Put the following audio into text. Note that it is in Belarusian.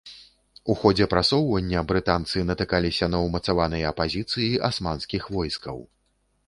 У ходзе прасоўвання брытанцы натыкаліся на ўмацаваныя пазіцыі асманскіх войскаў.